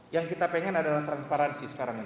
yang kita pengen adalah transparansi sekarang ini